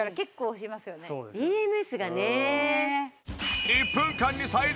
ＥＭＳがね。